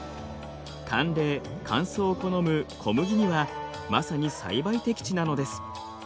寒冷乾燥を好む小麦にはまさに栽培適地なのです。